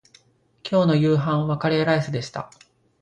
今日の夕飯はカレーライスでした